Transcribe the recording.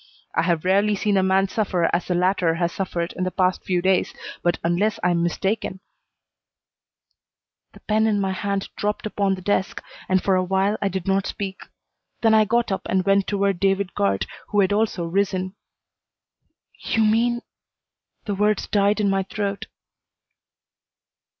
I have rarely seen a man suffer as the latter has suffered in the past few days, but unless I am mistaken " The pen in my hand dropped upon the desk, and for a while I did not speak. Then I got up and went toward David Guard, who had also risen. "You mean " The words died in my throat.